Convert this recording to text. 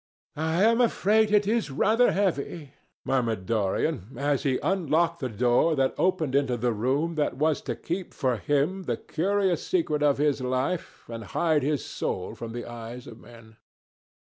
"I am afraid it is rather heavy," murmured Dorian as he unlocked the door that opened into the room that was to keep for him the curious secret of his life and hide his soul from the eyes of men.